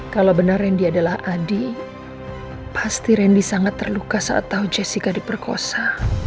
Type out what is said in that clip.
kalau benar randy adalah adi pasti randy sangat terluka saat tahu jessica diperkosa